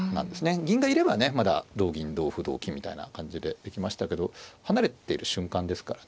銀がいればねまだ同銀同歩同金みたいな感じでできましたけど離れてる瞬間ですからね。